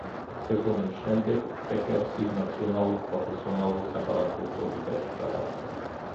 სეზონის შემდეგ, პეკერსი ნაციონალურ პროფესიონალურ საკალათბურთო ლიგაში გადავიდა.